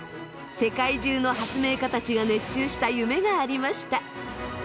世界中の発明家たちが熱中した夢がありました。